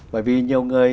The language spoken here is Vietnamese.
bởi vì nhiều người